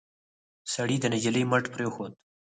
سړي د نجلۍ مټ پرېښود.